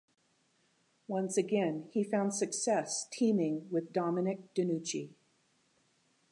Once again, he found success teaming with Dominic DeNucci.